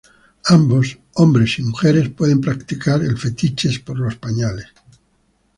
Ambos, hombres y mujeres, pueden practicar el fetiches por los pañales.